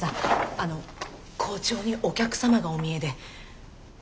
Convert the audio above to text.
あの校長にお客様がお見えで。